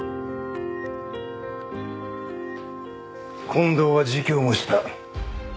近藤は自供もした。